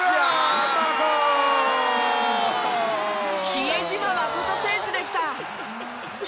比江島慎選手でした！